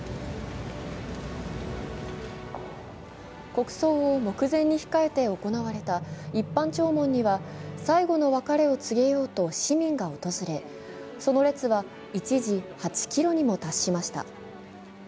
国葬を目前に控えて行われた一般弔問には最後の別れを告げようと市民が訪れ、その列は一時８ｋｍにも達しました。